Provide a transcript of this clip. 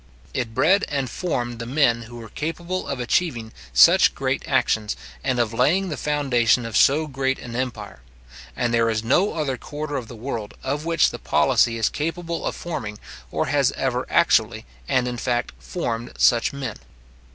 It bred and formed the men who were capable of achieving such great actions, and of laying the foundation of so great an empire; and there is no other quarter of the world; of which the policy is capable of forming, or has ever actually, and in fact, formed such men.